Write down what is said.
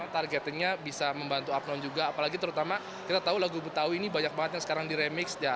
targetnya bisa membantu abnon juga apalagi terutama kita tahu lagu betawi ini banyak banget yang sekarang diremix